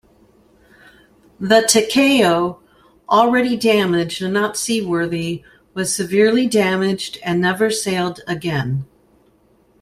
The "Takao", already damaged and not seaworthy, was severely damaged and never sailed again.